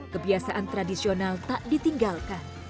kebiasaan tradisional tak ditinggalkan